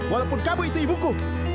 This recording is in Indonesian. walaupun kamu itu ibuku